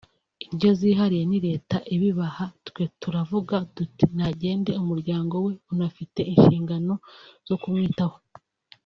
indyo zihariye ni Leta ibibaha… twe turavuga tuti ‘Nagende umuryango we unafite inshingano zo kumwitaho